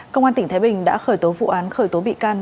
công an tỉnh thái bình đã khởi tố vụ án khởi tố bị can